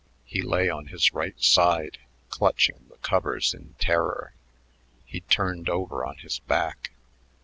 He lay on his right side, clutching the covers in terror. He turned over on his back.